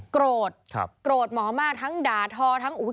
โกรธโกรธหมอมากทั้งดาท้อทั้งอุ้ย